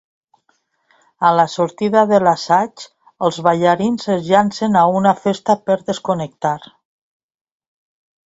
A la sortida de l'assaig, els ballarins es llancen a una festa per desconnectar.